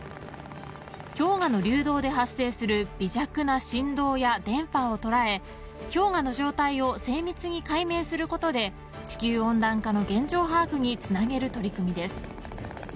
氷河の流動で発生する微弱な振動や電波を捉え氷河の状態を精密に解明することで地球温暖化の現状把握につなげる取り組みです。